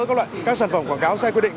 các loại các sản phẩm quảng cáo sai quy định